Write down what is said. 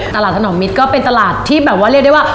ตลาดถนอมมิตรก็เป็นตลาดที่เรียกได้ว่า